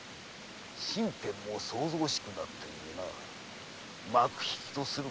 身辺も騒々しくなったゆえな幕引きとするかのう。